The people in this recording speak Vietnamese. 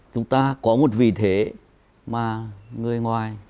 chúng ta có một vị thế mà người ngoài